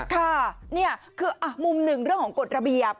ค่ะนี่คือมุมหนึ่งเรื่องของกฎระเบียบ